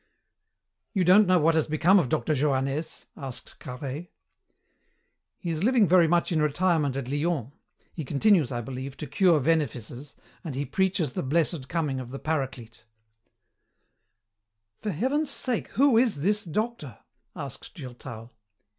"You don't know what has become of Dr. Johannès?" asked Carhaix. "He is living very much in retirement at Lyons. He continues, I believe, to cure venefices, and he preaches the blessed coming of the Paraclete." "For heaven's sake, who is this doctor?" asked Durtal.